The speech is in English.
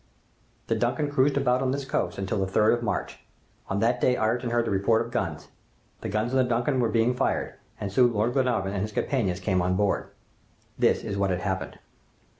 "The 'Duncan' cruised about on this coast until the 3rd of March. On that day Ayrton heard the report of guns. The guns on the 'Duncan' were being fired, and soon Lord Glenarvan and his companions came on board. "This is what had happened.